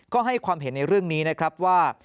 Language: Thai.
ก็ให้ความเห็นในเรื่องนี้นะครับว่า